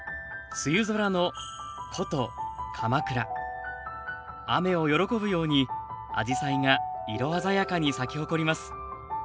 梅雨空の雨を喜ぶようにあじさいが色鮮やかに咲き誇ります